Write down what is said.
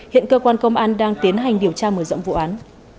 hiện cơ quan công an đang tiến hành điều tra mở rộng vụ án